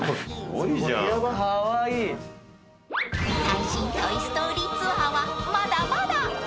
［最新『トイ・ストーリー』ツアーはまだまだ］